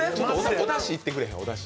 おだし、いってくれへん？